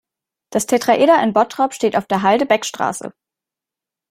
Das Tetraeder in Bottrop steht auf der Halde Beckstraße.